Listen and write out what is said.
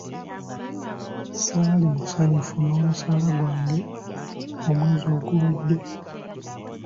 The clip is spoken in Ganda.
Saali musanyufu n'omusaala gwange omwezi oguwedde.